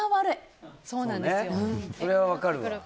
それは分かるわ。